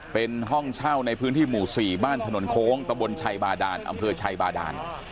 เป็นห้องเช่าในพื้นที่หมู่๔บ้านถนนโค้งตะบนชัยบาดานอำเภอชัยบาดาน